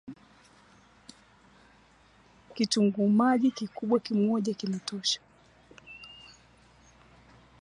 Kitunguu maji Kikubwa kimoja kinatosha